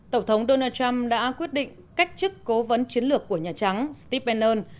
tổng thống donald trump đã quyết định cách chức cố vấn chiến lược của nhà trắng steve bannon